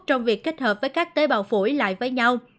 trong việc kết hợp với các tế bào phổi lại với nhau